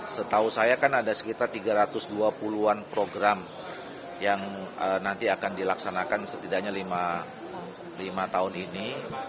setahu saya kan ada sekitar tiga ratus dua puluh an program yang nanti akan dilaksanakan setidaknya lima tahun ini